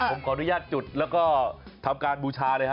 ผมขออนุญาตจุดแล้วก็ทำการบูชาเลยฮ